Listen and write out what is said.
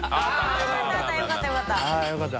よかったよかった。